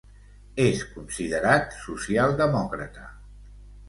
És considerat socialdemòcrata.